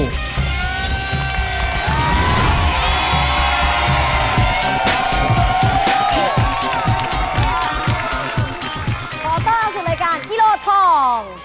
ขอต้อนรับสู่รายการกิโลทอง